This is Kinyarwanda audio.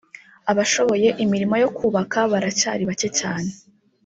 abashoboye imirimo yo kuyubaka baracyari bake cyane